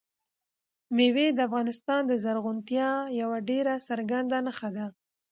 مېوې د افغانستان د زرغونتیا یوه ډېره څرګنده نښه ده.